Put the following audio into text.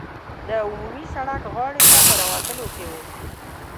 د عمومي سړک غاړې ته په راوتلو کې وو.